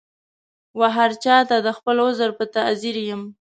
وهرچا ته د خپل عذر په تعذیر یم